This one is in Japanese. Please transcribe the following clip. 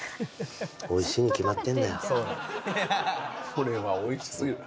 これはおいしすぎる。